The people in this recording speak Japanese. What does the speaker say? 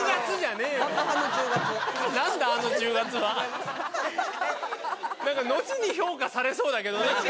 なんか後に評価されそうだけどな。